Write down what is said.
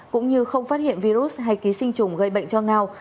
cũng như không phát hiện virus hay ký sinh trùng gây bệnh cho ngao